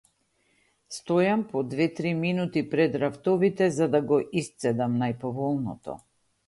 Стојам по две-три минути пред рафтовите, за да го исцедам најповолното.